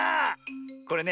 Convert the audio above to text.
これね